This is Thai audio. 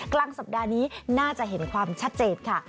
กลางสัปดาห์นี้น่าจะเห็นความชัดเจนค่ะ